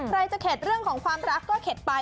ใครจะเข็ดเรื่องของความรักก็เข็ดไป